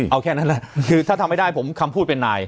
เอาแค่นั้นแหละคือถ้าทำไม่ได้ผมคำพูดเป็นนาย